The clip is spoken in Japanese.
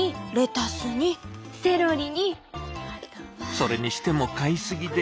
それにしても買いすぎである。